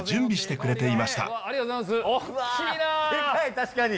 確かに。